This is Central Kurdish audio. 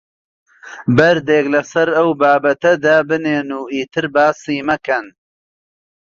بەردێک لەسەر ئەو بابەتە دابنێن و ئیتر باسی مەکەن.